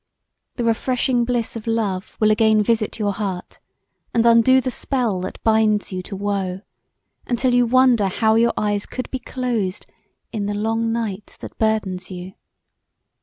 The refreshing bliss of Love will again visit your heart, and undo the spell that binds you to woe, untill you wonder how your eyes could be closed in the long night that burthens you.